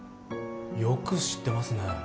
よく知ってますね